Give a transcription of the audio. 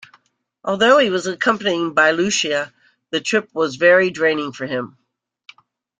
Although he was accompanied by Lucia, the trip was very draining for him.